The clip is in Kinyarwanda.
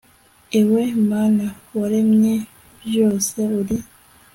ewe mana waremye vyose, +r, uri